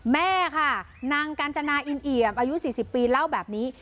แม่ค่ะนางกัญจนาอินเอี่ยมอายุ๔๐ปีเล่าแบบนี้